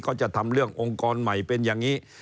ก็จะทำเรื่ององค์กรใหม่เป็นอย่างนี้